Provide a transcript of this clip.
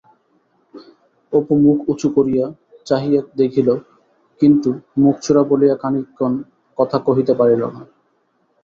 অপু মুখ উঁচু করিয়া চাহিয়া দেখিল কিন্তু মুখচোরা বলিয়া খানিকক্ষণ কথা কহিতে পারিল না।